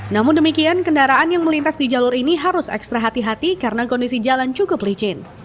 namun demikian kendaraan yang melintas di jalur ini harus ekstra hati hati karena kondisi jalan cukup licin